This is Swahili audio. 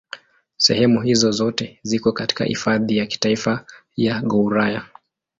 Sehemu hizo zote ziko katika Hifadhi ya Kitaifa ya Gouraya.